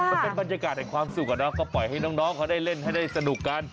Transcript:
ขอบใจบรรยาการให้ความสุขเขาปล่อยให้น้องเขาได้เล่นให้ได้สนุกกัน